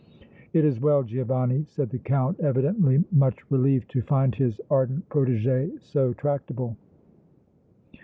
"It is well, Giovanni," said the Count, evidently much relieved to find his ardent protégé so tractable.